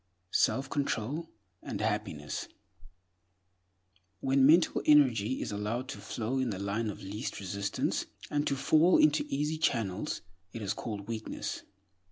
4. Self Control and Happiness WHEN MENTAL ENERGY IS allowed to follow the line of least resistance, and to fall into easy channels, it is called weakness.